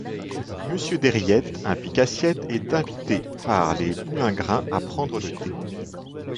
Monsieur Des Rillettes, un pique-assiette, est invité par les Boulingrin à prendre le thé.